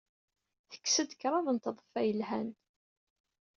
Tekkes-d kraḍt n tḍeffa yelhan.